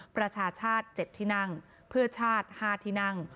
ประชาชาติ๗ที่นั่งเพื่อชาติ๕ที่นั่ง